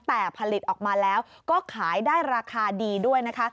แต่ผลิตออกมาแล้วก็ขายได้ราคาดีด้วยนะคะ